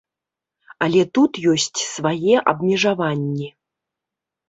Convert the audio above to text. Але тут ёсць свае абмежаванні.